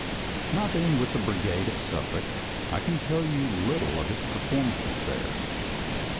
Not being with the brigade at Suffolk, I can tell you little of its performances there.